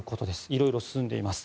色々、進んでいます。